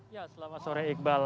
ya selamat sore iqbal